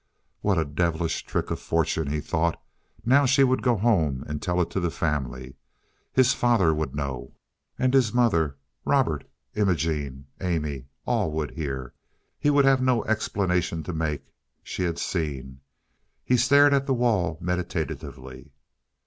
"What a devilish trick of fortune," he thought. Now she would go home and tell it to the family. His father would know, and his mother. Robert, Imogene, Amy all would hear. He would have no explanation to make—she had seen. He stared at the wall meditatively.